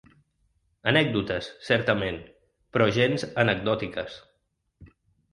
Anècdotes, certament, però gens anecdòtiques.